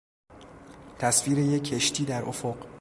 تصویر یک کشتی در افق